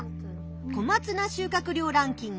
「小松菜収穫量ランキング」